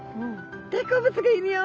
「大好物がいるよ！